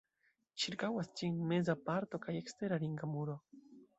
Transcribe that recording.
Ĉirkaŭas ĝin meza parto kaj ekstera ringa muro.